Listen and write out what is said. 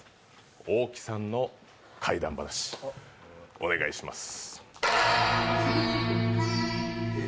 大木さんの怪談話、お願いします。